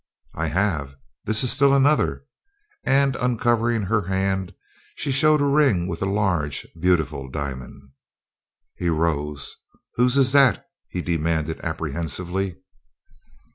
"I have. This is still another." And uncovering her hand she showed a ring with a large and beautiful diamond. He rose. "Whose is that?" he demanded apprehensively.